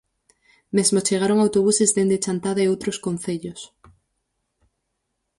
Mesmo chegaron autobuses dende Chantada e outros concellos.